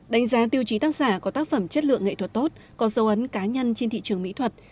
đánh giá tiêu chí tác giả có tác phẩm chất lượng nghệ thuật tốt có dấu ấn cá nhân trên thị trường mỹ thuật